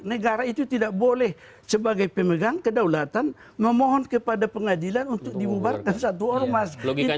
negara itu tidak boleh sebagai pemegang kedaulatan memohon kepada pengadilan untuk dibubarkan satu ormas